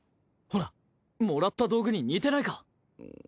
ほらもらった道具に似てないか？